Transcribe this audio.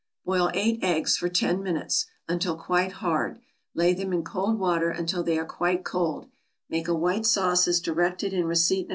= Boil eight eggs for ten minutes, until quite hard, lay them in cold water until they are quite cold; make a white sauce, as directed in receipt No.